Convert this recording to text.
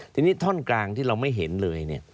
ทีนี้ท่อนกลางที่เราไม่เห็นเลย